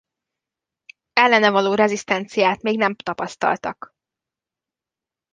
Ellene való rezisztenciát még nem tapasztaltak.